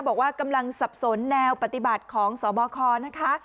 บอกว่ากำลังสับสนแนวปฏิบัติของสบคนะคะ